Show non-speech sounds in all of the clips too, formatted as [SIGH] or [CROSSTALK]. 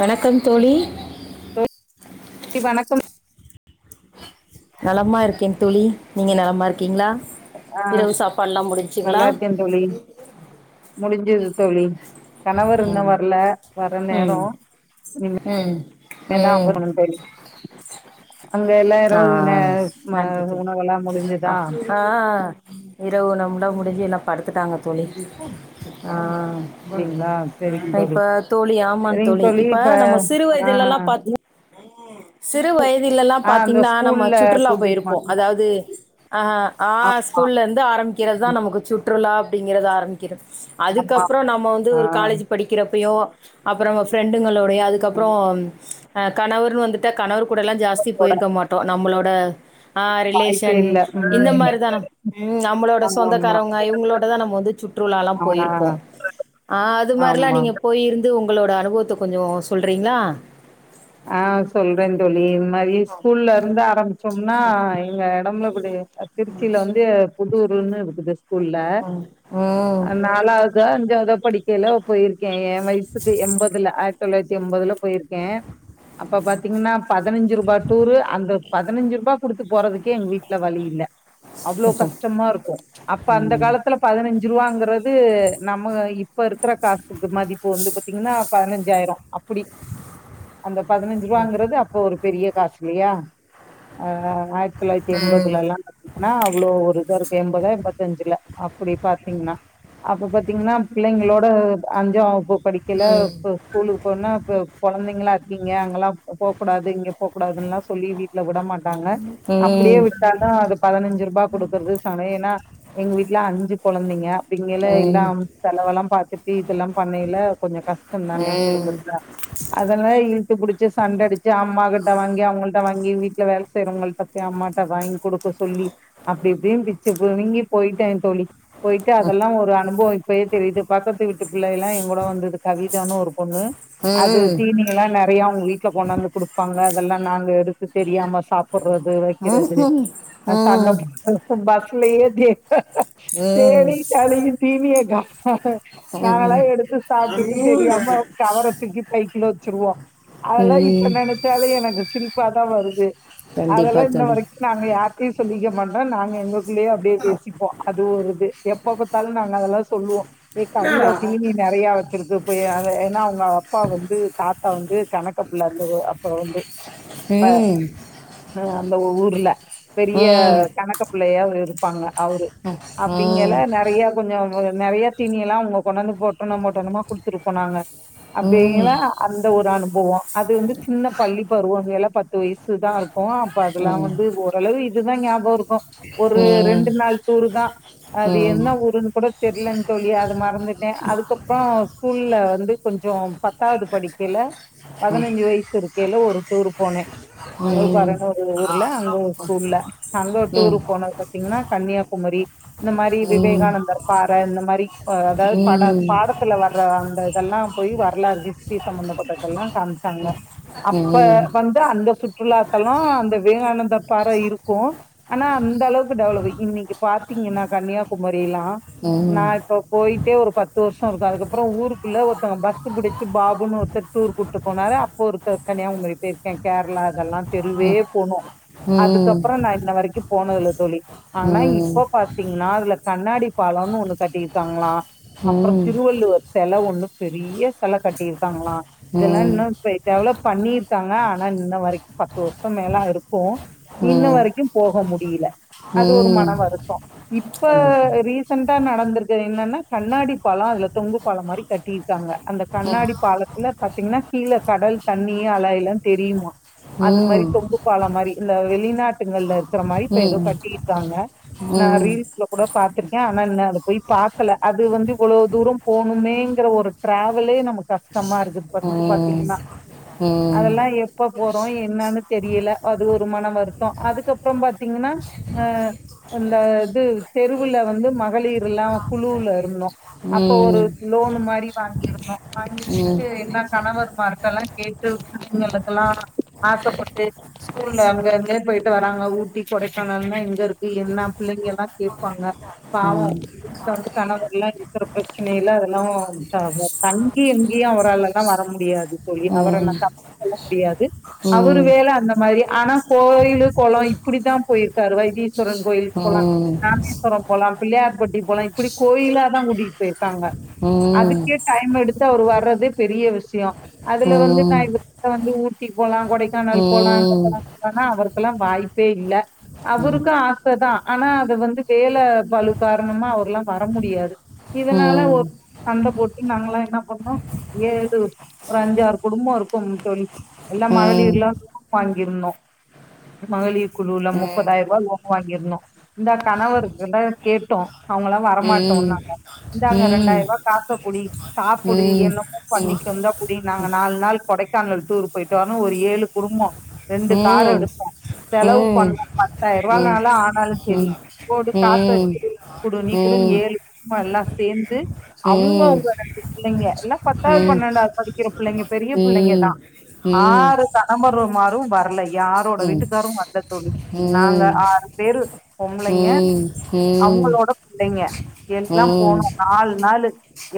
வணக்கம் தோழி தோழி வணக்கம் நலமா இருக்கேன் தோழி நீங்க நலமா இருக்கீங்ளா ஆ இரவு சாப்பாடுல்லா முடிஞ்சிங்களா முடிஞ்சிது தோழி கணவர் இன்னு ம் வர்ல வர நேரோ ம் ம் எந்த ஆஃப் ம் பண்ணனும் தோழி அங்க எல்லா ஆ இரவுகள் நே ம நன்றி தோழி உணவெல்லா முடிஞ்சிதா ஆ இரவு உணவுல்லா முடிஞ்சி எல்லா படுத்துட்டாங்க தோழி ஆ அப்டிங்ளா இப்ப தோழி ஆமா தோழி இப்ப நம்ம சிறு ஆ வயதுலல்லா பாத்து சிறு வயதிலெல்லா ஆ அந்த பாத்தீங்கன்னா நம்ம ஸ்கூல்ல சுற்றுலா கூட்டிட்டு போயிருப்போ போனாங்க அதாவது ஆ ஆ ஆமா ஸ்கூல்ல இருந்து ஆரம்பிக்கிறதுதா ம், நமக்கு சுற்றுலா அப்டிங்கிறது ஆரம்பிக்கிறது ஆமா அதுக்கப்றோ நம்ம வந்து ஆ ஒரு காலேஜ் படிக்கிறப்பயோ அப்றோ நம்ம ஃப்ரெண்டுங்களுடையு அதுக்கப்றோ ஆ கணவர்னு வந்துட்ட கணவர் கூடல்லா ஜாஸ்தி குடும்பத்தோட போயிருக்க மாட்டோ நம்மளோட ஆ வாய்ப்பே ரிலேஷன் இல்ல இந்த ம் மாரிதா நா ம் நம்மளோட ஆமா சொந்தக்காரவங்க இவுங்களோட தா நம்ம வந்து சுற்றுலா எல்லா ஆ போயிருப்போ ஆ அது மாரிலா ஆமா நீங்க போயிருந்து உங்களோட அனுபவத்த கொஞ்சோ சொல்றீங்களா ஆ சொல்ற தோழி இந்த மாரி ஸ்கூல்ல இருந்து ஆரம்பிச்சோம்னா எங்க நம்பலக்கூடையே திருச்சில வந்து புதூர்னு இருக்குது ஸ்கூல்ல ம் ம் அது நாலாது கா அஞ்சாவதோ படிக்கையில போயிருக்கே எயா வயசுக்கு எம்பதுல ஆயிரத்தி தொள்ளாயிரத்தி எம்பதுல போயிருக்கே அப்ப பாத்தீங்னா பதினஞ்சி ரூபா டூரு அந்த பதினஞ்சி ரூபா குடுத்து போறதுக்கே எங்க வீட்ல வழி இல்ல அவ்ளோ ம் கஷ்டமா இருக்கு அப்ப அந்த ம் காலத்துல பதினஞ்சி ரூபாங்குறது நம்ம இப் இப்ப இருக்கற காசுக்கு மதிப்பு வந்து பாத்தீங்கன்னா பதினஞ்சாயிரோ அப்பூடி அந்த பதினஞ்சி ரூபாங்குறது அப்போ ஒரு பெரிய காசு இல்லையா அதா ஆயிரத் தொள்ளாயிரத்தி எம்பதுலல்லா ஆனா அவ்ளோ ஒரு இதா இருக்கு எம்பதா எம்பத்தஞ்சுல அப்டி பாத்தீங்னா அப்ப பாத்தீங்னா பிள்ளைங்களோட அஞ்சாம் வகுப்பு படிக்கையில இப்ப ஸ்கூலுக்கு போனா இப்ப கொழந்தைங்களா இருக்கீங்க அங்கெல்லா போ போக் கூடாது இங்க போக் கூடாதுன்லா சொல்லி வீட்ல விட மாட்டாங்க ம் அப்டியே ம் வகட் குடுத்தாலு அது பதினஞ்சி ரூபா குடுக்கறது சமையோல்லா எங்க வீட்ல அஞ்சு கெழந்தங்க அப்டிங்கலே எல்லா செலவெல்லா பாத்துட்டு இதெல்லா பண்னையில கொஞ்சோ கஷ்டம் தானே ம் குடும்பத்துல அதெல்லா இருக் இழுத்து புடிச்சி சண்ட அடிச்சி அம்மா கிட்ட வாங்கி அவுங்கள்ட வாங்கி வீட்ல வேல செய்யறவங்கள்ட போயி அம்மாட்ட வாங்கி குடுக்க சொல்லி அப்டி இப்டின் பிச்சி புடிங்கி போயிட்டே தோழி போயிட்டு அதெல்லா ஒரு அனுபவோ பொய்ய சொல்லிட்டு பக்கத்து வீட்டு பிள்ளை எல்லா எங் கூட வந்தது கவிதானு ஒரு பொண்ணு ம் எல்லா நெறையா அவுங்க வீட்ல கொண்டாந்து குடுப்பாங்க அதெல்லா நாங்க எடுத்து தெரியாம சாப்டுறது வைக்கிறது ம்ஹ்ம். சண்ட ம் போடுறது பஸ்லயே தெரியு ம் தேடிகிட் அழுகும் தீணிய காணோ நாங்கலா ம் எடுத்து சாப்புட்டுட்டு தெரியாம கவரத்துக்கி பை குள்ள வச்சுருவோ அதெல்லா இப்ப ம் நினைச்சாலே எனக்கு சிரிபாதா வருது கண்டிப்பா அதெல்லா இன்ன தோழி வரைக்கு நாங்க யார்டயு சொல்லிக்க மாட்டோ நாங்க எங்க குள்ளயே அப்டியே பேசிப்போ அது ஒரு இது எப்ப பாத்தாலு நாங்க அதெல்லா சொல்லுவோ ஏ கவிதா என்னடா? தீனி நெறைய வச்சிருக்கு போய் [UNINTELLIGIBLE] ஏன்னா அவங்க அப்பா வந்து தாத்தா வந்து கணக்கு புள்ள வந்து அப்ப வந்து ஹ ம் அந்த ஊர்ல பெரிய ம் கணக்க புள்ளையா இருப்பாங்க அவரு அப்டிங்கல ம் நெறைய கொஞ்ச நெறைய தீணி எல்லா அவுங்க கொண்டந்து பொட்டணோ பொட்டணோமா குடுத்துட்டு போனாங்க ம் ம் ம் ம் ம் ம் ம் அப்டிங்ல அந்த ஒரு அனு போவோ அது வந்து சின்ன பள்ளி பருவங்கல பத்து வயிசு தா இருக்கும் அப்ப ம் ம் ம் ம் ம் அதெல்லா வந்து ஒரளவு இதுதா ஞாபக இருக்கும் ஒரு ரெண்டு நாள் டூர்ரு தா அது என்ன ஊருன் கூட தெர்லங் தோழி அது மறந்துட்ட அதுக்கப்றோ ஸ்கூல்ல வந்து கொஞ்சோ பத்தாது படிக்கைல பதினஞ்சு வயசு இருக்கேல்ல ஒரு டூர் போனே மிளகு பாறன்னு ஒரு ஊர்ல அங்க ஸ்கூல்ல அங்க டூர்ரு போனது பாத்தீங்கன்னா கன்னியாகுமரி இந்த மாரி விவேகானந்தர் பாற இந்த மாரி அதாது பட பாடத்துல வர்ற அந்த இதெல்லா போய் வரலாறு [UNINTELLIGIBLE] ஹிஸ்டரி சம்பந்தப்பட்டதல்லா காமிச்சாங்க அப்ப வந்து அந்த சு சுற்றுதாலாத்தல அந்த விவேகானந்தர் பாறை இருக்கும் ஆனா இந்த அளவுக்கு டெவளப் இன்னிக்கு பாத்தீங்கன்னா கன்னியாகுமரி எல்லா நா இப்ப போயிட்டே ஒரு பத்து வருஷ இருக்கும் அதுக்கப்பற ஊருக்குள்ள ஒருத்தங்க பஸ் புடிச்சு பாபுன்னு ஒருத்தர் டூர் கூட்டு போனாரு அப்போ ஒருக்க கன்னியாகுமாரி போயிருக்க கேரளா அதெல்லா தெருவே போனோ அதுக்கப்பற நா இன்ன வரைக்கும் போனதுல்ல தோழி ஆனா இப்ப பாத்தீங்கனா அதுல கண்ணாடி பாலம்னு ஒன்னு கட்டியிருக்காங்களா அப்பற திருவள்ளுவர் செல ஒண்ணு பெரிய செல கட்டியிருக்காங்களா இதெல்லா இன்னும் இப் டெவளப் பண்ணிருக்காங்க ஆனா இன்ன வரைக்கும் பத்து வருஷ மேல இருக்கும் ம் இன்ன ம் வரைக்கும் போக முடில ம் அது ஒரு மன ம் வருத்த இப்ப கண்டிப்பா ரீசன்டா நடந்திருக்கது என்னன்னா கண்ணாடி பால அதுல தொங்கு பால மாரி கட்டியிருக்காங்க அந்த கண்ணாடி பாலத்துல பாத்தீங்கன்னா கீழ கடல் தண்ணி அலையிலா தெரியுமா அந்த மாரி ம் தொங்கு பால மாரி இந்த வெளிநாட்டுகள்ல இருக்கிற மாரி ம் இப்ப ஏதோ ம் ம் கட்டிருக்காங்க ம் ம் ம் ம் ம் ம் ம் நா ரீல்ஸ்ல கூட பாத்துருக்க ஆனா இன்னோ அத போய் பாக்கல அது வந்து இவ்ளோ தூர போனுமேங்கற ஒரு டிராவலே நமக் கஷ்டமா இருக்கு ஃபர்ஸ்ட் பாத்தீங்கன்னா அதெல்லா எப்ப போறோ என்னன்னு தெரியல அது ஒரு மன வருத்தோ அதுக்கப்பற பாத்தீங்கன்னா அ அந்த இது தெருவுல வந்து மகளிர் எல்லா குழுல இருந்தோ அப்ப ஒரு லோன் மாரி வாங்கிருந்தோ ம் வாங்கிட்டு என்ன கணவர் மார்ட்ட எல்லா கேட்டு பிள்ளைகளுக்குல்லா ஆசப்பட்டு ஸ்கூல்ல அங்கங்க போயிட்டு வர ஊட்டி கொடைக்கானல்னா எங்க இருக்கு என்ன பிள்ளைங்க எல்லா கேபாங்க பாவ வந்து கணவர் எல்லா இருக்கிறப்ப பிரச்சன இல்ல அதெல்லா [UNINTELLIGIBLE] தங்கி எங்கியு அவராள வர முடியாது தோழி அவர நா தப்பு சொல்ல முடியாது அவரு வேல அந்த மாதிரி ஆனா கோயிலு குள இப்டித்தா போயிருக்காரு வைத்தீஸ்வரன் கோயிலு போலா ராமேஸ்வரம் போலா பிள்ளையார்பட்டி போலா இப்டி கோயில தா கூட்டிகிட்டு போயிருக்காங்க அதுக்கே டைம் எடுத்து அவர் வர்றது பெரிய விஷய அதுல வந்து நா இதுல வந்து ஊட்டி போலா கொடைக் ம் கானல் போலா அவருக்கெல்லா வாய்ப்பே இல்ல ம் ம் அவருக்கு ஆச கதா ஆனா அது வந்து வேல பலு காரணமா அவ்ர்லா வர முடியாது ம் ம் ம் ம் ம் ம் ம் ம் ம் ம் ம் ம் ம் ம் ம் ம் இதனால ஒரு நாளு சண்ட போட்டு நாங்கல்லா என்ன பண்ணோ ஏது ஒரு அஞ்சு ஆறு குடும்போ இருக்கும் தோழி எல்லா மகளிர்லா ம் லோன் வாங்கிருந்தோ மகளிர் குழுல முப்பதாயிருவா லோன் வாங்கியிருந்தோ இந்த கணவர்க்ள்ட்ட கேட்டோ அவங்கலா ம் ம் ம் வரமாட்டோனாங்க ம் ம் ம் ம் ம் இந்தாங்க ரெண்டாயிருபா காச புடி சாப்புடு என்னமோ பண்ணிக்கோ இந்தா புடி நாங்க நாலு நாள் கொடைக்கானல் டூர் போயிட்டு வர ஒரு ஏழு குடும்போ ரெண்டு காரு எடுத்தோ செலவு பண்ணு பத்தாயிருவாய்னாலு ஆ னாலு செரி போடு காச இருக்குது குடு நீ குடுன் ஏழு குடும்போ எல்லா சேந்து அவங்கவுங்க ரெண்டு பிள்ளைங்க எல்லா பத் தாவ்து பன்னெண்டாவ்து படிக்கிற புள்ளைங்க பெரிய புள்ளைங்கதா ஆறு ம் கணம்பர் மாரு வரலை யாரோட வீட்டுக்காரு வர்ல தோழி ம் ம் ம் நாங்க ஆறு பேரு பொம்பளைங்க அவுங்களோட புள்ளைங்க எல்லா போனோ நாலு நாளு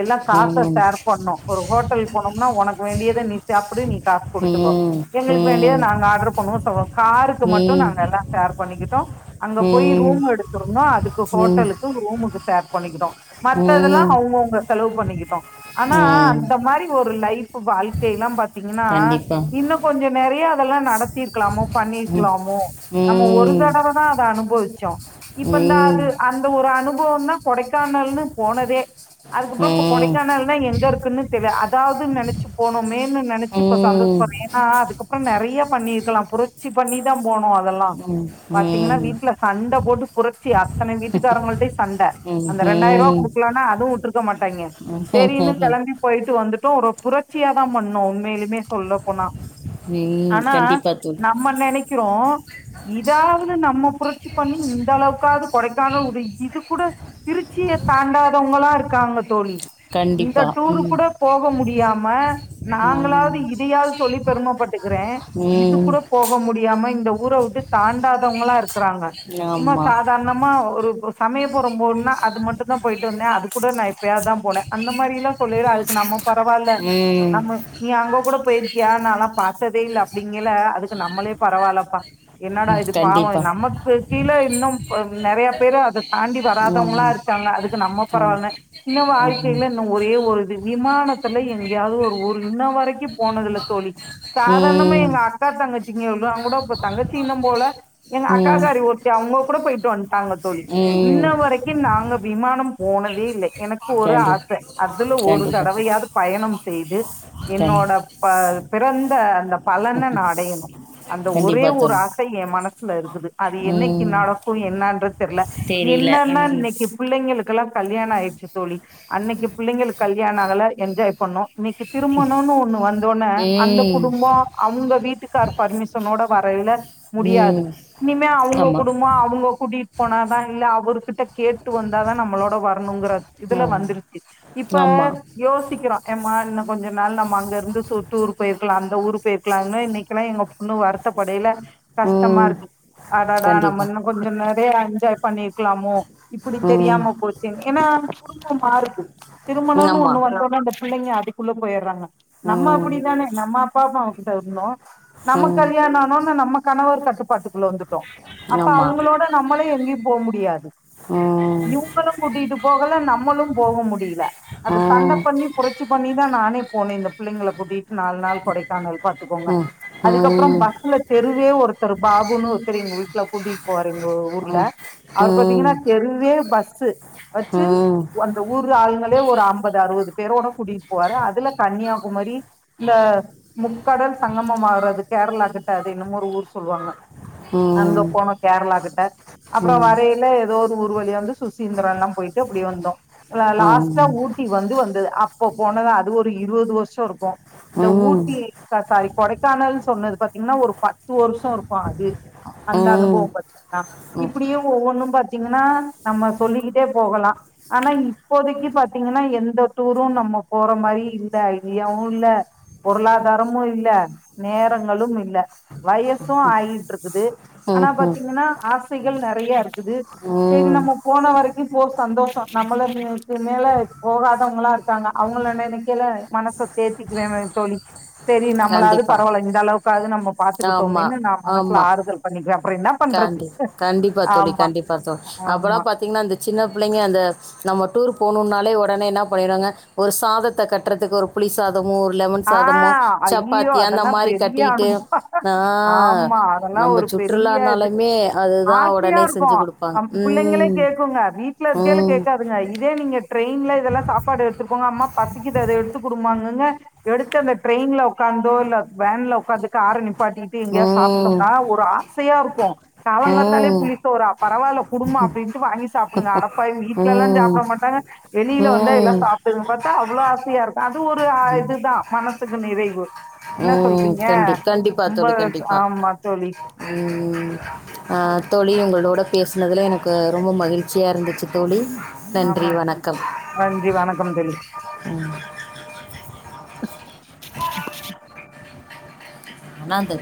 எல்லா காச ஷேர் பண்ணோ ஒரு ஹோட்டல் போனோம்னா உனக்கு வேண்டியத நீ சாப்பிடு நீ காசு குடுத்துக்கோ எங்களுக்கு வேண்டிய நாங்க ஆட்ரு பண்ணுவோ சவப் காருக்கு மட்டு நாங்க எல்லா ஷேர் பண்ணிக்கிட்டோ அங்க போயி ரூமு எடுத் தும்னா அதுக்கு ஹோட்டலுக்கு ரூமுக்கு ஷேர் பண்ணிக்கிட்டுடோ மத்தெல்லா அவுங்கவுங்க செலவு பண்ணிக்கிட்டோ ஆனா அந்த மாரி ஒரு லைஃபு வாழ்க்கையில்லா பாத் தீங்கன்னா கண்டிப்பா இன்னு கொஞ்சோ நெறைய அதெல்லா நடத்திருக்கலாமோ பண்ணியிர்க்லாமோ நம்ம ஒரு ம் தடவதா அத அனுபவிச்சோ இப்பந்தா ம் அது அந்த ஒரு அனுபவம்தா கொடைக்கானல்னு போனதே அதுக்கப்புறோ இப்ப கொடைக்கானல்னா எங்க இருக்குன்னு தெர்ய அதாவது நெனச் போனோமேனு நெனச்சி இப்ப சந்தோஷப்பட்றோ ஏனா அதுக்கப்புறோ நெறைய பண்ணிர்க்கலா புர ட்சி பண்ணிதா போனோ அதெல்லா பாத்தீங்கினா வீட்ல சண்ட போட்டு புரட்சி அ த்தனை வீட்டுக்காரவங்கள்டயு சண்ட அந்த ரெண்டாயிருவா கண்டிப்பாக குடுக்லனா அது வுட்ருக்க மாட்டாய்ங்க செரின்னு கெளம்பி போயிட்டு வந்துட்டோ ஒரு புரட்சியாதா பண்ணோ உண்மையிலுமே சொல்ல போனா ஆனா தோல் நம்ம நெனைக்கிறோ இதாவது நம்ம புரட்சி பண்ணி இந்த அளவுக்காவ்து கொடைக்கானல் வுடு இது கூட திருச்சிய தாண்டாதவங்களா இருக்காங்க தோழி இந்த கண்டிப்பா டூரு ம் கூட போக முடியாம நாங்களாவ்து இதியாவ்து சொல்லி பெருமப்பட்டுக்கிறே ம் இது ம் கூட போக முடியாம இந்த ஊர விட்டு தாண்டாதவங்களா இருக் கிறாங்க சும்மா ஆமாம் சாதார்ணமா ஒரு சமயப்புரம் போவுணுனா அது மட்டு போயிட்டு வந்தே அது கூட எப்பயாவ்தா போனே அந்த மாரிலா சொல்லயில அதுக் நம்ம பரவால்ல ம் நம்ம நீ அங்க கூட போயிருக்கியா நால்லா பாத்ததே இல்ல அப்டிங்கில அதுக்கு நம்மளே பரவால்லப்பா என்னடா இது பாவோ கண்டிப்பாக நமக்கு கீழ இன்னு ப நெறைய பேரு அத தாண்டி வராதவங் ளா ஆமாம் இருக்காங்க அதுக்கு நம்ம ஆமாம் பரவால்னு இன்னு ம் வாழ்க்கைல்ல இன்னு ஒரே ஒரு இது விமானத்துல எங்கயாவ்து ஒரு ஒரு இன்ன வரைக்கு போனதில்ல தோழி சாதார்ணமா ம் எங்க அ க்கா தங்கச்சிங்க [UNINTELLIGIBLE] அவுங்கூட இப்ப தங்கச்சி இன்னும் போல எங்க ம் அக்காக்காரி ஒருத்தி அவுங்க கூட போயிட்டு வந் டாங்க தோழி ம் இன்ன வரைக்கு நாங்க விமானம் போனதே இல்ல எனக்கு ஒரு கண்டி ஆச அதுல ஒரு கண்டிப்பாக தோல் தடவையாது பயணம் செய்து கண் என்னோட பா பிறந்த அந்த பலன நா அடையணு அந்த ஒரே கண்டிப்பாக ஒரு தோல் ஆசை என் மனசுல இருக்குது அது என்னைக்கு ம் நடக்கு என்னான்றத் தெர்ல தெரியல என்னன்னா ம் இன்னைக்கு பிள்ளைங்களுக்கெல்லாம் கல்யாண ஆயிடுச்சு தோழி அன்னைக்கு பிள்ளைங்களுக்கு கல்யாண ஆகல என்ஜாய் பண்ணோ இன்னைக்கு திருமணம்னு ஒண்ணு வந்தோனே அந்த ம் குடும்போ அவுங்க வீட்டுக்கார் பர்மிஷனோட வரையில முடியாது ம் இனிம அவுங்க ஆமா குடும்பம் அவுங்க குடி போனாதா இல்ல அவர் கிட்ட கேட்டு வந்தாதா நம்மளோட வரணுங்கற ஆமா இதுல வந்துருச்சு ஆமா யோசிக்கறோ எம்மா இன்னு கொஞ்ச நாள் நம்ம அங்க இருந்து சொத்து ஊர் போயிருக்கலா அந்த ஊரு போயிருக்கலான்னு இன்னைக்கெல்லாம் எங்க பொண்ணு வருத்தப்படையில கஷ்டமா ம் இருக்கு அடடா நம்ம கண்டிப்பா இன்னு கொஞ்சோ நெறைய என்ஜாய் பண்ணி இருக்கலாமோ இப்டி ம் தெரியாம போச்சு ஏன்னா அந்த குடும்பமா இருக்கு திருமணம்னு ஆமா ஒண்ணு வந்து அந்த புள்ளைங்க அதுக்குள்ள போயிட்றாங்க நம்ம ம் அப்டிதானே நம்ம அப்பா அம்மா அவகிட்ட இருந்தோ நம்ம ம் கல்யாணம் ஆனோன்ன நம்ம கணவர் கட்டுப்பாட்டுக்குள்ள வந்துட்டோ அப்ப ஆமா அவுங்களோட நம்மளே எங்கேயு போக முடியாது ஆ இவுங்களும் கூட்டிட்டு போகல நம்மளும் போக முடியல ம் அத சண்ட பண்ணி புரட்சி பண்ணிதா நானே போன இந்த பிள்ளைங்கள கூட்டிட்டு நாலு நாள் கொடைக்கானல் பாத்துக்கோங்க ம் ம் ம் ம் ம் ம் ம் ம் அதுக்கப்புறோ பஸ்ல தெருவே ஒருத்தர் பாபுன்னு ஒருத்தர் எங்க வீட்டுல கூட்டிட்டு போவாரு எங்க ஊர்ல அவரு பாத்தீங்கன்னா ம் தெருவே பஸ்சு வச்சு ம் ம் அந்த ஊரு ஆளுங்கள் து ஒரு அம்பது அறுவது பேரோட கூட்டிட்டு போவாரு அதுல கன்னியாகுமரி இந்த முக்கடல் சங்கமம் ஆகுறது கேரளா கிட்ட அது என்னமோ ஒரு ஊர் சொல்லுவாங்க அங்க ம் போனோ கேரளாகிட்ட அப்புறோ வரையில எதோ ஒரு ஊரு வழிய வந்து சுசீந்திரம் எல்லா போயிட்டு அப்டியே வந்தோ லாஸ்ட் ட்டா ஊட்டி வந்து வந்தது அப்ப போனதா அது ஒரு இருவது வருஷோ இருக்கு இந்த ஊட்டி சாரி கொடைக்கானல்னு சொன்னது பாத்தீங்கன்னா ஒரு பத்து வருஷோ இருக்கு அது அந்த அனுபவம் பாத்தா இப்டியே ஒவ்வொன்னு பாத்தீங்கன்னா நம்ம சொல்லிக்கிட்டே போகலா ஆனா இப்போதைக்கு பாத் பாத்தீங்கன்னா எந்த டூரும் நம்ம போற மாரி இல்ல ஐடியாவு இல்ல பொருளாதாரமு இல்ல நேரங்களும் இல்ல வயசு ஆகிட்டு இருக்குது ஆனா பாத்தீங்கன்னா ஆசைகள் நெறைய இருக்குது சேரி நம்ம போன வரைக்கு போ சந்தோஷோ நம்மளுக்கு இதுக்கு மேல போகாதவுங்களா இருக்காங்க அவுங்கள நெனைக்கையில மனச தேத்திக்குவ தோழி சேரி நம்மளாது கண்டிப்பா பரவால இந்த அளவுக்காவது நம்ம ஆமா பாத்துக்கிட்டோமேனு நா மனசுல ஆமா ஆறுதல் பண்ணிக்குவ கண்டி கண்டிப்பா தோழி கண்டிப்பா தோழி அப்பல்லா ஆமா பாத்தீங்கன்னா அந்த சின்ன பிள்ளைங்க அந்த நம்ம டூர் போணுன்னாலே உடனே என்ன பண்ணிறாங்க ஒரு சாதத்த கட்டுறதுக்கு ஒரு புளி சாதமோ ஒரு லெமன் ஆ சாதமோ ஐய்யய்யோ சப்பாத்தி அந்த அதெல்லா மாரி பெரிய கட்டிகிட்டு அனுபவ ஆ ஆமா அதெல்லா நம்ம ஒரு சூஸ் பெரிய சுற்றுலானாலுமே அதுதா ஆசையா உடனே செஞ்சு இருக்கும். குடுப்பாங்க அம் ம் ம் பாருங்க இதே நீங்க ட்ரெயின்ல இதெல்லா சாப்பாடு எடுத்துட்டுப்போங்க அம்மா பசிக்குது அத எடுத்து குடுமானுங்க எடுத்து அந்த ட்ரெயின்ல உக்காந்தோ இல்ல வேன்ல உக்காந்து கார நிப்பாட்டிட்டு எங்கேயா ம் சாப்பிட்டோம்னா ஒரு ஆசையா இருக்கும் காலங்காத்தாலே ம் புளி சோறா பரவாயில்ல குடும்மா அப்டின்ட்டு வாங்கி சாப்டுங்க அடப்பாவி வீட்டல எல்லா ம் சாப்ட மாட்டாங்க வெளியில வந்தா எல்லா ம் சாப் ப்டுது பாத்தா அவ்ளோ ஆசையா இருக்கு அதுவு ஒரு இதுதா மனசுக்கு நிறைவு என்ன ம் சொல்றீங்க கண்டி கண்டிப்பா ரொம்ப தோழி கண்டிப்பா ஆமா தோழி ம் ம் அ தோழி உங்களோட பேசுனதுல எனக்கு ரொம்ப மகிழ்ச்சியா இருந்துச்சு தோழி நன்றி ஆமா வணக்கம் நன்றி வணக்கம் தோழி [UNINTELLIGIBLE] ஆனா இந்த